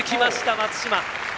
松島！